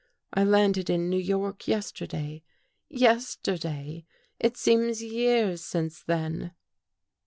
I landed in New York yesterday. Yesterday! It seems years since then."